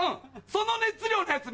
その熱量のヤツ